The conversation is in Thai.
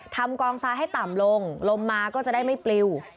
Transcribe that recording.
กองทรายให้ต่ำลงลมมาก็จะได้ไม่ปลิว